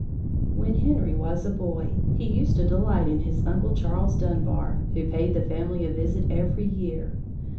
When Henry was a boy, he used to delight in his Uncle Charles Dunbar, who paid the family a visit every year.